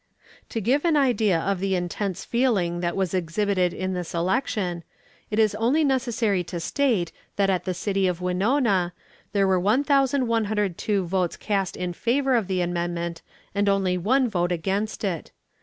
To give an idea of the intense feeling that was exhibited in this election, it is only necessary to state that at the city of Winona there were 1,102 votes cast in favor of the amendment and only one vote against it.